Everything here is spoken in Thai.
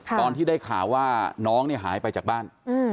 ตอนที่ได้ข่าวว่าน้องเนี่ยหายไปจากบ้าน